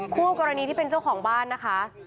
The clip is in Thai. คู่กรณีที่เป็นเจ้าของบ้านนะคะ